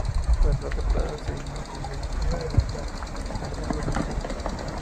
Durante la temporada, Senna seguía incómodo con el habitáculo del coche.